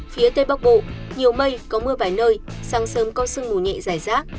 phía tây bắc bộ nhiều mây có mưa vài nơi sáng sớm có sương mù nhẹ dài rác